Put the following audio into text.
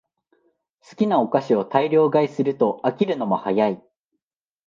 好きなお菓子を大量買いすると飽きるのも早い